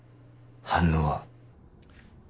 反応は？